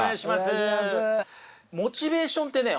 モチベーションってね